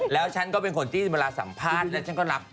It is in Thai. แล้วฉันก็เป็นคนที่เวลาสัมภาษณ์แล้วฉันก็รับ